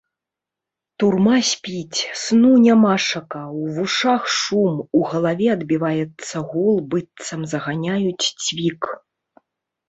Турма спіць, сну нямашака, у вушах шум, у галаве адбіваецца гул, быццам заганяюць цвік.